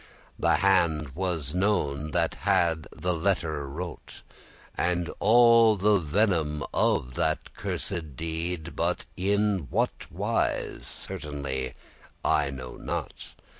The hand was known that had the letter wrote, And all the venom of the cursed deed; But in what wise, certainly I know not.